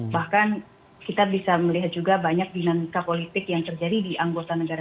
bahkan kita bisa melihat juga banyak dinamika politik yang terjadi di anggota negara